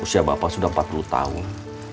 usia bapak sudah empat puluh tahun